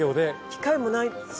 機械もないですし。